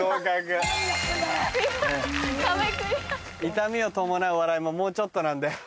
痛みを伴う笑いももうちょっとなんで。